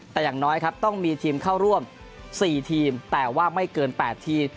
แต่อย่างน้อยครับต้องมีทีมเข้าร่วม๔ทีมแต่ว่าไม่เกิน๘ทีม